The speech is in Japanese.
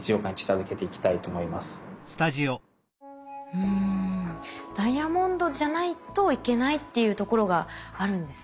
うんダイヤモンドじゃないといけないっていうところがあるんですね。